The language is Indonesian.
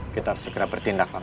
kita harus segera bertindak pak